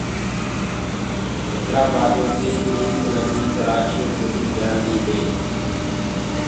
هيدرآبآدو دي ايڪ نديٚ ڪرآچيو ڪوديٚ جآنٚديٚ هي